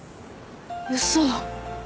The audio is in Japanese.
嘘。